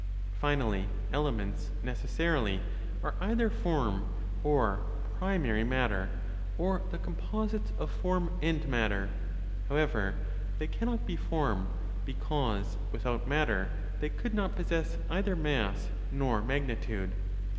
Finally, elements necessarily are either form, or primary matter, or the composites of form and matter. However, they cannot be form, because, without matter, they could not possess either mass nor magnitude.